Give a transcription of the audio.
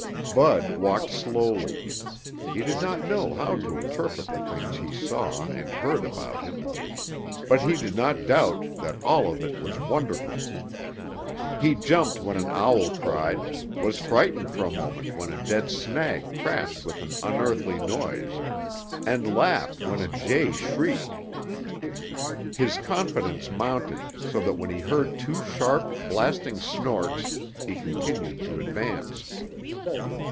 Bud walked slowly. He did not know how to interpret the things he saw and heard around him, but he did not doubt that all of it was wonderful. He jumped when an owl cried, was frightened for a moment when a dead snag crashed with an unearthly noise and laughed when a jay shrieked. His confidence mounted so that when he heard two sharp, blasting snorts, he continued to advance.